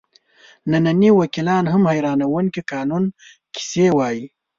ننني وکیلان هم حیرانوونکې قانوني کیسې وایي.